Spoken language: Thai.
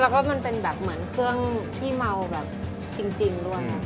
แล้วก็มันเป็นแบบเหมือนเครื่องที่เมาแบบจริงด้วย